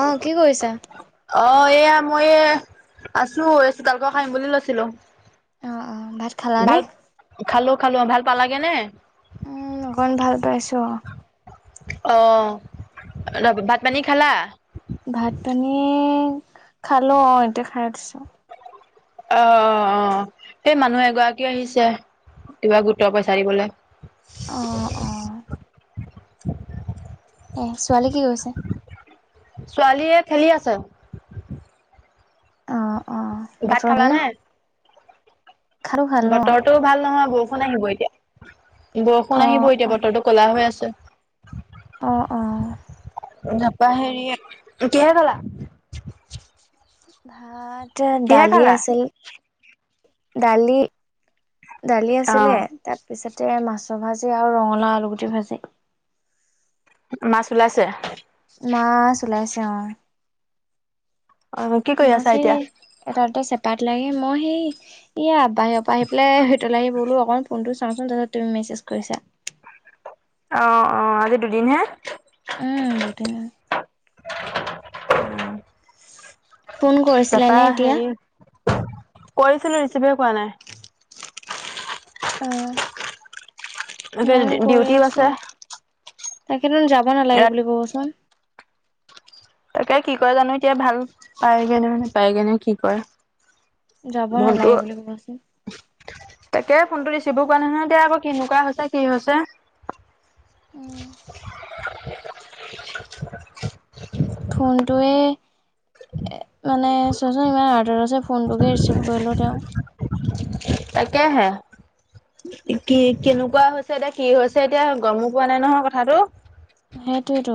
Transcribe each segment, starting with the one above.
অঁ কি কৰিছা। অঁ এয়া মই আছো এই চোতালক খন হাৰিম বুলি লৈছিলো অ', অ', ভাত খালানে? ভাল খালো খালো ভাল পালাগে নে উম, অকণ ভাল পাইছোঁ অ অঁ ভাত পানী খালা! ভাত পানী খালো অঁ এতিয়া খাই উঠিছো। অঁ অঁ অঁ সেই মানুহ এগৰাকীও আহিছে কিবা গোটৰ পইচা দিবলৈ অঁ অঁ। এ ছোৱালী কি কৈছে। ছোৱালীয়ে খেলি আছে। অঁ অঁ ভাত বতৰ খালা ভাল নে! বতৰটো ভাল নহয় বৰষুণ আহিব এতিয়া বৰষুণ আহিব অ', এতিয়া অ', বতৰটো কলা হৈ আছে অ অ নাপা হেৰি কিহে খালা ভাত কিহে দালি খালা? আছিল দালি দালি আছিলে অ' তাৰপিছতে মাছৰ ভাজি আৰু ৰঙলা আলুগুটি ভাজি। মাছ ওলাইছে মাছ ওলাইছে অ অ' কি কৰি আছা মাছে এতিয়া? এটাতে চেপাৰেট লাগে মই সেই ইয়া বাহিৰৰ পৰা আহি পেলাই আহি বলো অকণ ফোন চাওঁচোন তাৰপাছত তুমি মেছেজ কৰি অঁ অঁ আজি দুদিন হে উম দেউটি ন ফোন কৰিছিলে তাৰাপা নে এতিয়া? হেৰি কৰিছিলো ৰিচিভে কোৱা না। অ', এতিয়া ডিউটিও আছে। তাকেই তো যাব নালাগে ইয়াত বুলি কবচোন তাকে কি কৰে জানো এতিয়া ভাল পায়গে নানে পায়গে ন কি কৰে যাব ফোনটো নালাগে বুলি কবচোন। তাকে ফোনতটো ৰিচিভো কৰা নাই নহয় দিয়া আকৌ কেনেকুৱা হৈছে কি হৈছে। থোনটোয়ে মানে চোৱাচোন ইমান আৰ্ডাৰ আছে ফোনটোকে ৰিচিভ কৰিলো তেওঁ তাকেহে কি কেনেকুৱা হৈছে এতিয়া কি হৈছে এতিয়া গমো পোৱা নাই নহয় কথাটো সেইটোয়েতো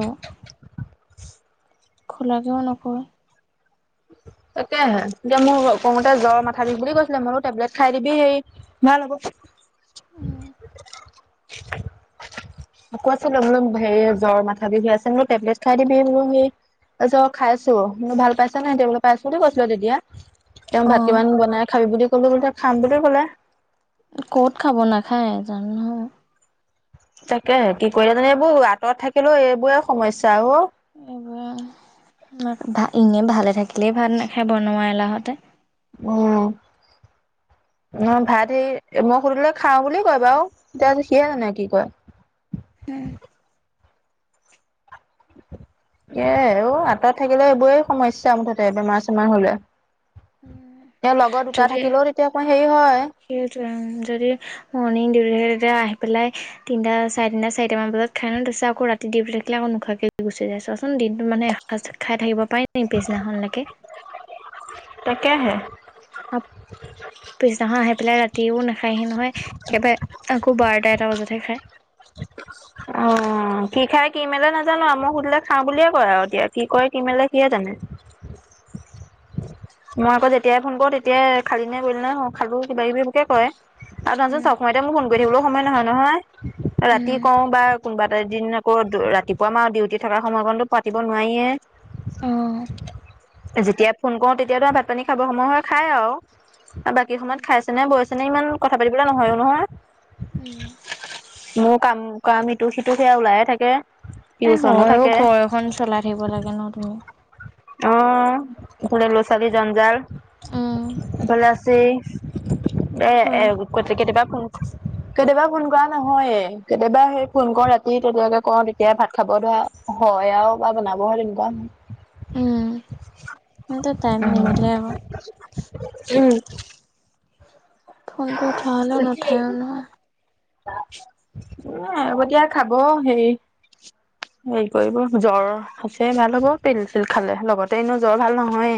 খোলাকেও নকয় তাকেহে এতিয়া মোক কওতে জ্বৰ মাথা বিষ বুলি কৈছিলে মই বোলো টেবলেট খাই দিবি সেই ভাল হ'ব কোৱাচোন বোলো হেৰি জ্বৰ মাথা বিষ হৈ আছে বোলো টেবলেট খাই দিবি মোলো সি তাছত খাইছো ম ভাল পাইছে নাই তেওঁলাক? পাইছো বুলি কৈছিলে তেতিয়া তেওঁ ভাত অ', কিমান বনাই খাবি বুলি কলো বুলি তেওঁ খাম বুলি ক'লে। ক'ত খাব নাখায় জানো নহয়। তাকে কি কৰে মানে এইবোৰ আঁতৰত থাকিলেও এইবোৰে সমস্যা অ। এইবোৰ আ ইনেই ভালে থাকিলেই ভাত নাখাই বনোৱা এলাহতে উম অ ভাত সেই মই সুধিলে খাওঁ বুলি কয় বাৰু তেতিয়া সিয়ে জানে কি কয় উম কে অ আঁতৰত থাকিলে এইবোৰে সমস্যা মুঠতে বেমাৰ চেমাৰ হ'লে। তেওঁ লগ দুটা যদি থাকিলেও তেতিয়া আকৌ হেৰি হয়। সেইটোৱে উম যদি মৰ্ণিং ডিউটি থাকে তেতিয়া আহি পেলাই তিনিটা চাৰে তিনিটা চাৰিটামান বজাত, খাই ন তাছত আকৌ ৰাতি দিউটি থাকিলে আকৌ নোখোৱাকে গুচি যাই, চোৱাচোন দিনটো মানে এসাজ খাই থাকিব পাৰে নি পিছদিনাখনলৈকে। তাকেহে। আপ পিছদিনাখন আহি পেলাই ৰাতিও নাখায়হি নহয়, একেবাৰে আকৌ বাৰটা এটা বজাতহে খায়। অ কি খাই কি মেলে নাজানো আৰু মই সুধিলে খাওঁ বুলিয়ে কয় আৰু এতিয়া কি কয় কি মেলে সিয়ে জানে। মই আকৌ যেতিয়াই ফোন কৰো তেতিয়াই খালি নে কৰিলি নাই খালো কিবা কিবি এইবোৰকে কয়। আৰু তহত উম চব সময়তে মোক ফোন কৰি থাকিবলৈও সময় নহয় নহয়। ৰাতি উম কওঁ বা কোনোবা এদিন নকৰো ৰাতিপুৱা মাৰো ডিউটি থকাৰ সময়কনতো পাতিব নোৱাৰিয়ে। অ'। যেতিয়াই ফোন কৰো তেতিয়া টো ভাত পানী খাব সময় হয় খাই আৰু। বাকী সময়ত খাইছেনে বইছে নে ইমান কথা পাতিবলে নহয়ো নহয়। উম। মোৰ কাম কাম ইটো সিটো সেয়া ওলায়ে থাকে। এ টিউচনো হয় অ থাকে ঘৰ এখন চলাই থাকিব লাগে ন তুমি। অ ক লৰাছোলীৰ জঞ্জাল উম এফালে আছেই। এ এ সেইবোৰে কো কেতিয়াবা ফোন কেতিয়াবা ফোন কৰা নহয়ে, কেতিয়াবা সেই ফোন কও ৰাতি তেতিয়াকে কওঁ তেতিয়া ভাত খাব ধৰে আও। হয় আৰু বা বনাবহে লাগিব আও। উম। সিহঁতে টাইম উম নিমিলে আকৌ উম। ফোনটো উঠোৱা হ'লেও নোঠায়ো নহয়। অ আগতিয়া খাব হেৰি। হেৰি কৰিব জ্বৰ আছে ভাল হ'ব পিল চিল খালে লগতে এনেয়ো জ্বৰ ভাল নহয়ে।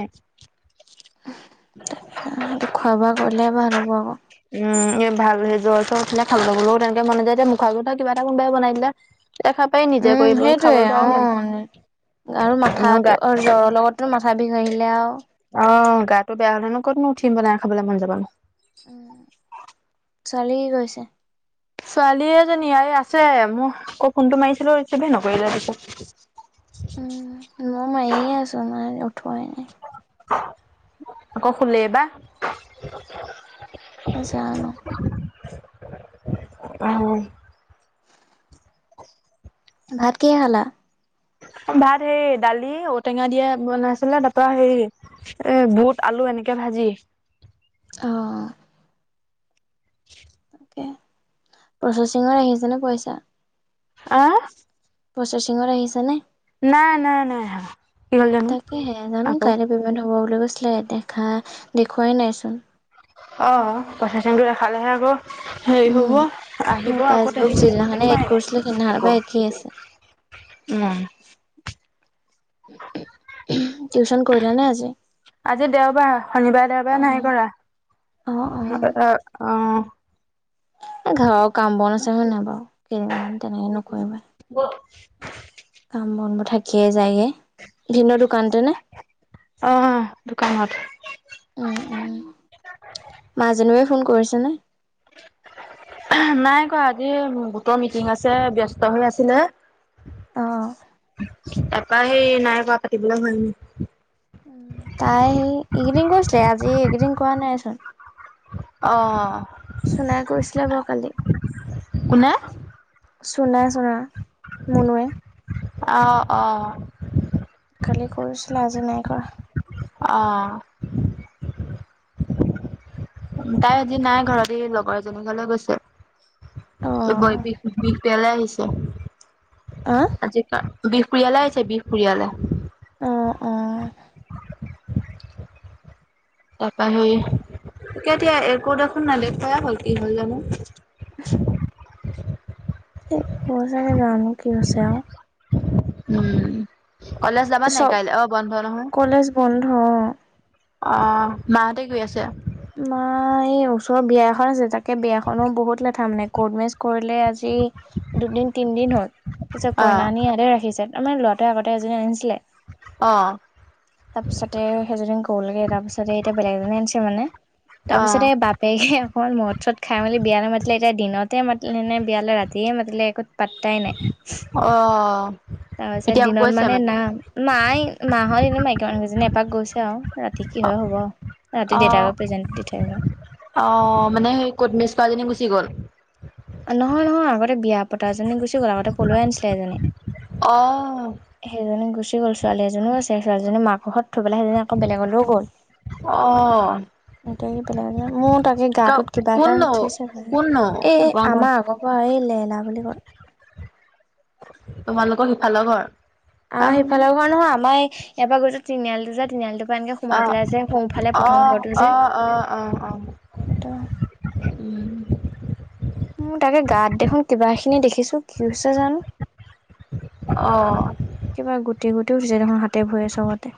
তাকে সেইটো খোৱা বোৱা কৰিলে ভাল হ'ব আকৌ। উম ভাল সেই জ্বৰ চৰ উঠিলে খাব লবও তেনেকে মন নেযায় যে মুখ আগতে কিবা এটা কোনবাই বনাই দিলে। তেতিয়া খাই পাই নিজে উম কৰিব সেইটোৱে খাবলৈতো আৰু অ নাই আৰু এনেও গা মাথাটো জ্বৰৰ লগত টো মাথা বিষ আহিলে আৰু। অ গাটো বেয়া হ'লে নো কতনো উঠিম বনাই খাবলে মন যাব নো। ছোৱালী কি কৰিছে? ছোৱালী এজনী আৰু আছে মোহ আকৌ ফোনটো মাৰিছিলো ৰিচিভহে নকৰিলে দেখো। উ মই মাৰিয়ে আছো না উঠুৱাই নাই। আকৌ শুলে বা। জানো! উম। ভাত কিহে খালা? ভাত সেই দালি ঔটেঙা দিয়ে বনাইছিলে তাৰ পৰা হেৰি এ বুট আলু এনেকে ভাজি। অহ। [inaudible] তাকে প্ৰচেচিঙংত আহিছে নে পইচা। আ আ আ। প্ৰচেচিঙত আহিছে নে? নাই নাই নাই হা হা। কি হল জানো তাকেহে জানো আকৌ? কাইলৈ পেমেণ্ট হ'ব বুলি গৈছিলে দেখা দেখুৱাই নাইচোন। অ প্ৰফেচনটো দেখালেহে আকৌ। হেৰি হ'ব উম মোৰ আহিব আকৌ পাছবুক তেনেকে দেখোন যিদিনাখনে এড দেখুৱাই কৰিছিলে নাই সেইদিনাখনৰ পৰা একো। একেই আছে। উম। উম উমহু টিউচন কৰিলা নে আজি? আজি দেওবাৰ শনিবাৰ দেওবাৰে অ', নাই কৰা শুনানে হ অ অ, অ অ অ। এই ঘৰৰ কাম বন আছে হয় নাই বাৰু কেইদিনমান তেনেকৈ নকৰিবাই। গো ছিই ছিছি। কাম বনবোৰ থাকিয়ে যায়গে। ভিনদেউ দোকানতেনে অ অ দোকানত [unintelligible] উম উ উচ চু তু মাজনিবাৱে ফোন কৰিছেনে? এহ্ হে হে নাই কোৱা আজি গোটৰ মিটিং আছে ব্যস্ত হৈ আছিলে। অ'। ঢি ঢি ঢি তাৰপৰা উমহ সেই নাই পৰা কাটিবলৈ হোৱা নে তাই সেই এইকেইদিন কৰিছিলে আজি এইকেইদিন কৰা নাইচোন। অ অ অ অ। চুনাই কৰিছিলে বাৰু কালি। কোনে বা বা চুনাই চুনা মুনোৱে। আহ অ অ। কালি কৰিছিলা আজি নাই কৰা। অহ অ অ অ ঢি ঢি ঢি ঢি ঢি হু হু হু তাই আজি নাই ঘৰত ই লগৰ এজনী ঘৰলৈ গৈছে। তয় বৈ অ', বিষ বিষ পেলাই আহিছে। আ? আজিৰপৰা বিহুপুৰিয়ালে আহিছে বিহুপুৰিয়ালে। অ আ আ। তাৰপৰা হেৰি তে এতিয়া এইবোৰ দেখোন নেদেখাই হ'ল কি হল জানো। নে হে হে হেই হব চাগে জানো কি হৈছে আৰু উম উ উ উ, কলেজ যাবা নাই চব কাইলে অ বন্ধ নহয়। কলেজ বন্ধ অ অ অ, মাহঁতে গৈ আছে। মা এই ওচৰৰ বিয়া এখন আছে তাকে বিয়াখনো বহুত লেঠা মানে কৰ্ট মেৰেজ কৰিলে আজি ই হে দুদিন তিনিদিন হ'ল তাৰপিছত কইনা অ', আনি ইয়াতে ৰাখিছে। তাৰমানে ল'ৰাটোৱে আগতে এজনী আনিছিলে। অ', তাৰপিছতে সেইজনী গলগে তাৰ পিছতে এতিয়া বেলেগ এজনী আনিছে মানে তাৰপিছতে অ', এই বাপ এই হে হ'ল মত-চত খাই মেলি বিয়ালৈ মাতিলে এতিয়া দিনতে মাতিলে নে বিয়ালৈ ৰাতিয়ে মাতিলে একো পিইইইই পাত্তাই নাই উস্ অ', তাৰপাছত এতিয়া দিনত গৈছে মানে নাম নাই মাহৰ দিনে মাইকী মানুহকেইজনী এপাক গৈছে আৰু ৰাতি কি হয় হ'ব আৰু ৰাতি দেউতাৰক দি থাকিবা। অ অ অ, মানে সেই কৰ্ট মেৰেজ কৰাজনী গুচি গ'ল। নহয় নহয় আগতে বিয়া পতাজনী গুচি গ'ল আগতে পলুৱাই আনিছিলে এজনী। অ অ অ অ সেইজনী গুচি গ'ল ছোৱালী এজনীও আছে ছোৱালীজনী মাকৰ ঘৰত থৈ পেলাই সেইজনী আকৌ বেলেগলো গ'ল। অ এ কি বেলেগ মোৰ তাকে ক গাটোত কিবা কোন এটা নো উঠিছে মানে কোন নো এ এ এ তোমাৰ ঘৰ আমাৰ আগৰ পৰা এই লেয়লা বুলি কয়। তোমালোকৰ সিফালৰ ঘৰ। অ আহ সেইফালৰ ঘৰ নহয় আমাৰ ইয়াৰ পৰা গৈ যে তিনিআলিটো যে তিনিআলিটো অহ অ যে -অ -অ -অ- অ উম। মোৰ তাকে গাত দেখোন কিবা খিনি দেখিছো কি হৈছে জানো? অ। কিবা গুটি গুটি উঠিছে দেখোন হাতে ভৰিয়ে চবতে।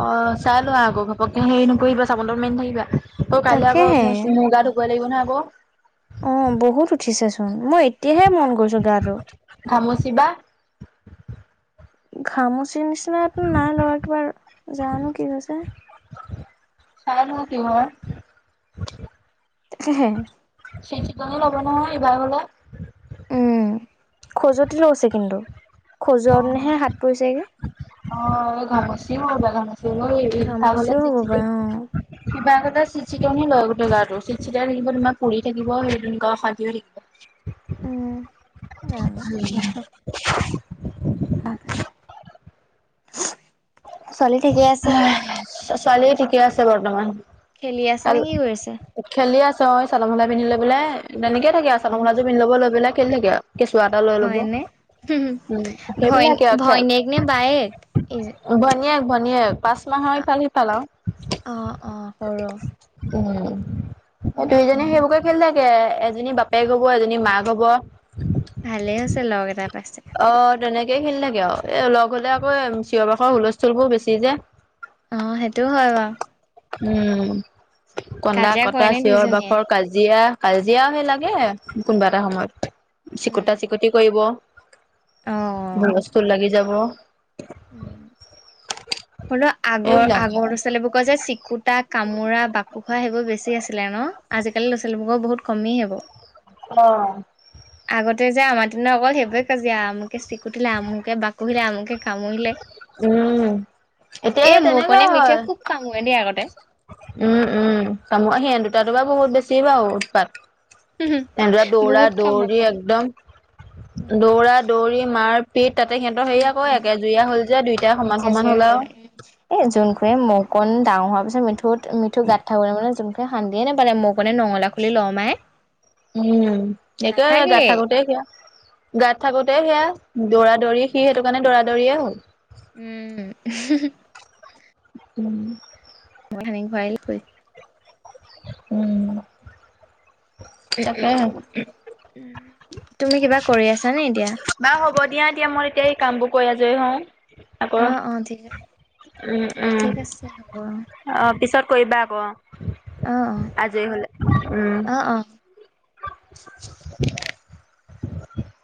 অ চাই লোৱা আকৌ ঘপককে হেৰি নকৰিবা চাবোন-তাবোন মাৰি নে থাকিবা। অ কাইলে আকৌ তাকেহে মূৰ-চূ মূৰ গা ধুৱই লাগিব নহয় আকৌ। অ বহুত উঠিছে চোন মই এতিয়াহে মন কৰিছো গাটো। ঘামুচি বা ঘামুচিৰ নিচিনাতো নাই লগা কিবা জানো কি হৈছে চাই লও কি হয়। হে হে। চেই চিতনি ল'ব নহয় এইবাৰলে উম খজুৱতি লৈছে কিন্তু অ খজুৱত নেহে হাত পৰিছেগে অ ঘামুচি হব পাৰে ঘামুচি হ'লে ভাল [unintelligible] হলে ঘামচিও হ'ব চিকচিকাই পাৰে অ কিবা এটা চিট চিতনি লয় গোটেই গাটো চিতচিটাই থাকিব, তোমাৰ পুৰি থাকিব, সেই সেনেকোৱা অশান্তি [unintelligible] ছোৱালি ঠিকেই আছে? ছোৱালী ঠিকে আছে বৰ্তমান খেলি আছে কাল নে কি কৰিছে? খেলি আছে অ চাদৰ মেখেলা পিন্ধি লৈ পেলাই তেনেকে থাকে আৰু চাদৰ মেখেলাযোৰ পিন্ধি লব লৈ পেলাই খেলি থাকে আৰু কেঁচুৱা এটা লৈ ল'ব, হয়নে উম ভয় সেইবিলাকেই আৰু খেল ভৈনীয়েক নে বায়েক ভনীয়েক -ভনীয়েক পাঁচ মাহৰ ইফাল-সিফাল অ অ সৰু আৰু উম অ অ দুইজনী সেইবোৰকে খেলি থাক কে এজনী বাপেক হব, এজনী মাক হব ভালে হৈছে লগ এটা পাইছে অ তেনেকে খেলি থাকে আও এ লগ হ'লে আকৌ চিঞৰ বাখৰ হুলস্থুল বোৰ বেছি যে অ সেইটো হয় বাৰু উম, কন্দা- কাজিয়া কৰে কটা, নে দুইজনীয়ে চিঞৰ-বাখৰ কাজি জীয়া কাজিয়া সেই লাগে কোনোবা এটা সময়ত উম চিকুতা চিকুতি কৰিব অ হুলস্থূল লাগি যাব উম হলেও আগৰ- এইবিলাকে আগৰ লৰা -ছোৱালীবোৰ কয়যে চিকুতা কামোৰা বাকুৱা সেইবোৰ বেছি আছি লে ন? আজিকালি ল'- ছোৱালীবোৰক বহুত কমেই আক অ। আগতে যে আমাৰ দিনত অকল সেইবোৰে কাজিয়া আ চিকুটিলে আমুকে বাকুহিলে আমুকে কামুৰিলে উম। এতিয়া এ সেই তেনেকুৱাই মোৰকণে হয় মিঠে খুব কামুৰে দেই আগতে উম- উম কামো সিহত দুটাতো বা বহুত বেছি বাৰু উৎপাত তেনেদৰে দৌৰা বহুত কামোৰে দৌৰি কামোৰে একদম, দৌৰা দৌৰি মাৰ পিত তাতে সিহঁতৰ হেৰি আকৌ উম একে জুৰিয়া হল যে দুইটাই সমান এতিয়া -সমান যে হল আৰু এ যোনখোৱে মকন ডাঙৰ হোৱাৰ পিছত মিঠুত মিঠু গাত থাকোতে মানে যোন শান্তি নাপালে মৌকনে নঙলা খুলি ল'ৰমাৰে উম, একোৱে সে গাত থাকোতে সিয়া গাত থাকোতে সেয়া দৌৰা-দৌৰি সি সেইটো কাৰণে দৌৰা- দৌৰিয়ে হল উম, হুমহুম উম। [unintelligible] উম তাকে তুমি কিবা কৰি আছানে এতিয়া? বা হ'ব দিয়া দিয়া মই এতিয়া এই কামবোৰ কৰি আজৰি হওঁ। আকৌ অ অ ঠিকে উম উম অ পিছত কৰিবা আকৌ অ অ', অ', আজৰি হ'লে উম অ'। অ'। [inaudible] [unintelligible]